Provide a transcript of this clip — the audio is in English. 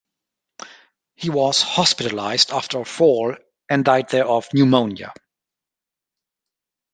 He was hospitalized after a fall and died there of pneumonia.